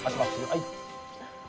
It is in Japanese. はい。